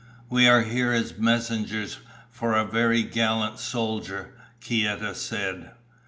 "We are here as messengers for a very gallant soldier," Kieta said.